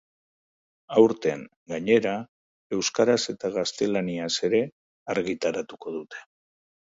Aurten, gainera, euskaraz eta gaztelaniaz ere argitaratuko dute.